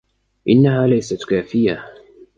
انها ليست كافيه